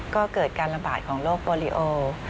๒๔๙๓๒๔๙๕ก็เกิดการลำบากของโรคโบรีโอ